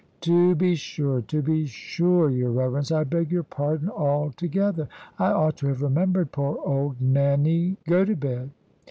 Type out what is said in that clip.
"To be sure, to be sure, your Reverence; I beg your pardon altogether. I ought to have remembered poor old Nanny Gotobed."